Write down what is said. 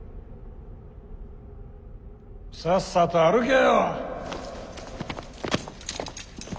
さっさと歩けよ。